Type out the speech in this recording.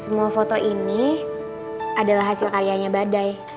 semua foto ini adalah hasil karyanya badai